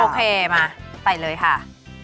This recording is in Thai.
โอเคมาใส่เลยค่ะ